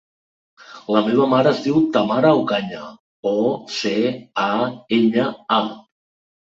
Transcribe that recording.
La meva mare es diu Tamara Ocaña: o, ce, a, enya, a.